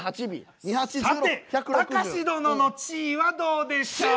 さてたかし殿の地位はどうでしょう？